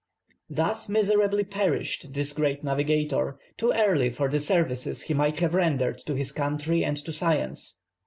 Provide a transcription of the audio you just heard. Thus miserably perished this great navigator, too early for the services he might have rendered to his country and to science.